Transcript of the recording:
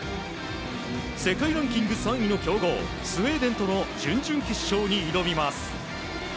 世界ランキング３位の強豪スウェーデンとの準々決勝に挑みます。